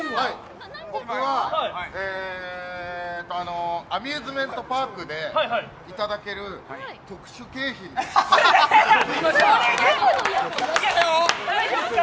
僕はアミューズメントパークでいただけるそれ大丈夫ですか？